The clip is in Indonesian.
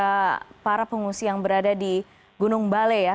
kepada para pengungsi yang berada di gunung balai ya